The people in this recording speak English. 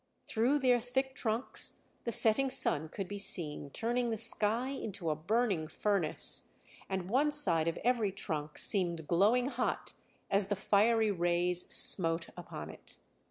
Through their thick trunks the setting sun could be seen turning the sky into a burning furnace, and one side of every trunk seemed glowing hot as the fiery rays smote upon it.